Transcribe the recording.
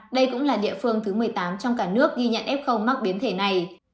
đây cũng là địa phương thứ một mươi tám trong cả nước ghi nhận f mắc biến thể này